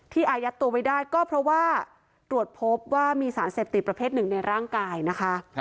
อายัดตัวไว้ได้ก็เพราะว่าตรวจพบว่ามีสารเสพติดประเภทหนึ่งในร่างกายนะคะ